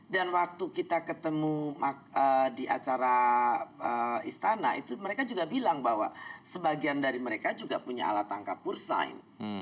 waktu kita ketemu di acara istana itu mereka juga bilang bahwa sebagian dari mereka juga punya alat tangkap pursain